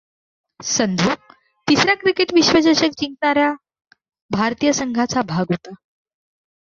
संधू तिसरा क्रिकेट विश्वचषक जिंकणार् या भारतीय संघाचा भाग होता.